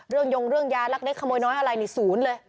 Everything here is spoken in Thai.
เรื่องยงเรื่องยารักเล็กขโมยน้อยอะไรนี่ศูนย์เลย